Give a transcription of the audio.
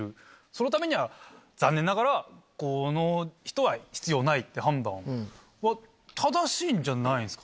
そのためには残念ながらこの人は必要ないって判断は正しいんじゃないんすかね？